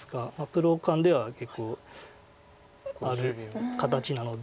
プロ間では結構ある形なので。